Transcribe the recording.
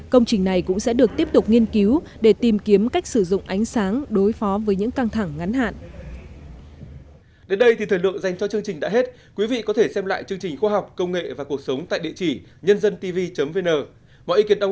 công trình này cũng sẽ được tiếp tục nghiên cứu để tìm kiếm cách sử dụng ánh sáng đối phó với những căng thẳng ngắn hạn